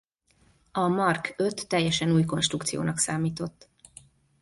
A Mark V teljesen új konstrukciónak számított.